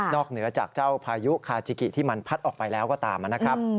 เหนือจากเจ้าพายุคาจิกิที่มันพัดออกไปแล้วก็ตามนะครับ